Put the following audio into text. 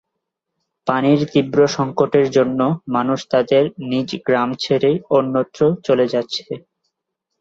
পানির তীব্র সংকটের জন্য মানুষ তাদের নিজ গ্রাম ছেড়ে অন্যত্র চলে যাচ্ছে।